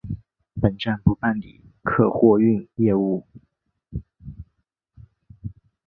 本站不办理客货运业务。